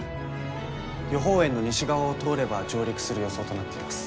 予報円の西側を通れば上陸する予想となっています。